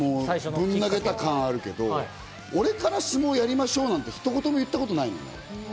相撲でぶん投げた感あるけど俺から相撲やりましょうなんて一言も言ったことない。